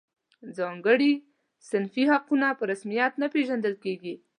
ځانګړي صنفي حقونه په رسمیت نه پېژندل.